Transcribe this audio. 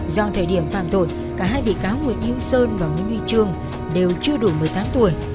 do thời điểm phạm tội cả hai bị cáo nguyễn hữu sơn và nguyễn huy trương đều chưa đủ một mươi tám tuổi